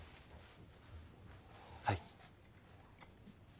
はい。